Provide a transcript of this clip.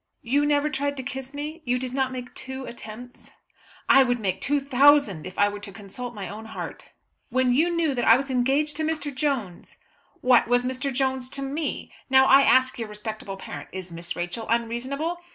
"You never tried to kiss me? You did not make two attempts?" "I would make two thousand if I were to consult my own heart." "When you knew that I was engaged to Mr. Jones!" "What was Mr. Jones to me? Now I ask your respectable parent, is Miss Rachel unreasonable?